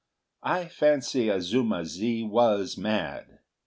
I fancy Azuma zi was mad.